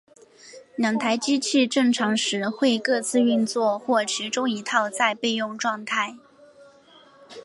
两套机器正常时会各自运作或其中一套在备用状态。